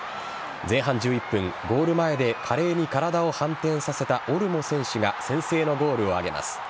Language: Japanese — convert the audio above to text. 前半１１分、ゴール前で華麗に体を反転させたオルモ選手が先制のゴールを挙げます。